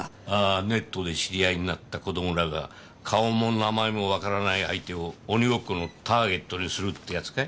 ネットで知り合った子どもらが顔も名前もわからない相手を鬼ごっこのターゲットにするってやつかい？